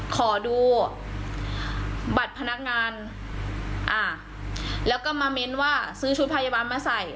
ขอดูบัตรพนักงานอ่าแล้วก็มาเม้นว่าซื้อชุดพยาบาลมาใส่